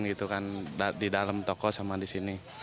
gitu kan di dalam toko sama di sini